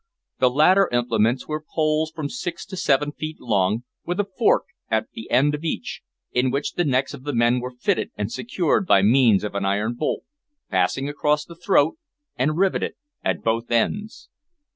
The latter implements were poles from six to seven feet long, with a fork at the end of each, in which the necks of the men were fitted and secured by means of an iron bolt, passing across the throat and riveted at both ends.